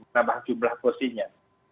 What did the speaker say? menambah jumlah posinya